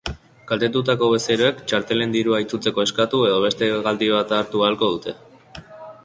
Kaltetutako bezeroek txartelen dirua itzultzeko eskatu edo beste hegaldi bat hartu ahalko dute.